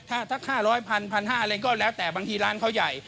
ถ้า๕๐๐๑๐๐๑๕๐๐อะไรก็แล้วแต่บางทีร้านเขาใหญ่